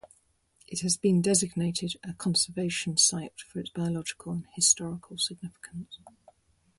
It has been designated a Conservation site for its biological and historical significance.